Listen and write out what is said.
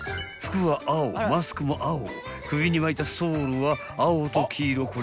［服は青マスクも青首に巻いたストールは青と黄色］